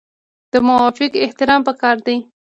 د مافوق احترام پکار دی